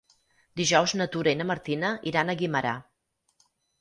Dijous na Tura i na Martina iran a Guimerà.